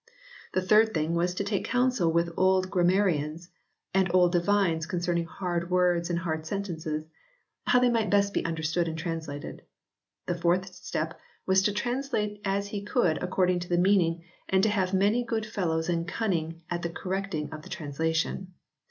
The third thing was to take counsel with old grammarians and old divines concerning hard words and hard sentences, how they might best be understood and translated. The fourth step was to translate as he could according to the meaning and to have many good fellows and cunning at the correcting of the translation.